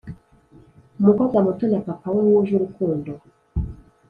umukobwa muto na papa we wuje urukundo.